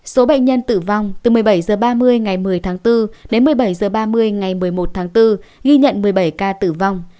số bệnh nhân tử vong từ một mươi bảy h ba mươi ngày một mươi tháng bốn đến một mươi bảy h ba mươi ngày một mươi một tháng bốn ghi nhận một mươi bảy ca tử vong